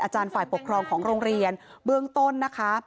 ฝ่ายปกครองของโรงเรียนเบื้องต้นนะคะ